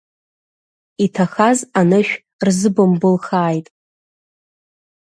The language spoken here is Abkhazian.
Иҭахаз анышә рзыбымбылхааит!